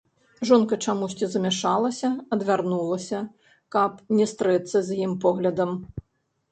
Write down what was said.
Жонка чамусьці замяшалася, адвярнулася, каб не стрэцца з ім поглядам.